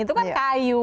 itu kan kayu